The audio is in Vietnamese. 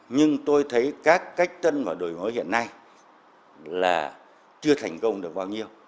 nhưng tôi thấy các cách tân và đổi mới hiện nay là chưa thành công được bao nhiêu